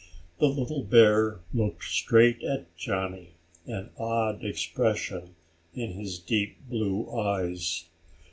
The little bear looked straight at Johnny, an odd expression in his deep blue eyes.